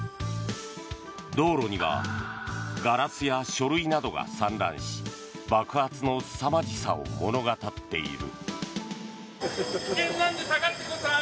道路にはガラスや書類などが散乱し爆発のすさまじさを物語っている。